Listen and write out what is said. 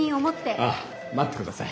あっ待ってください。